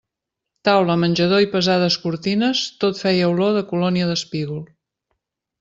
Taula, menjador i pesades cortines, tot feia olor de colònia d'espígol.